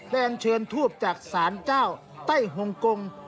และแอ่งเชิญทูบจากสารเจ้าไต้ฮงกง